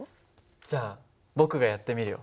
じゃあ僕がやってみるよ。